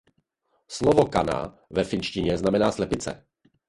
Slovo „Kana“ ve finštině znamená slepice.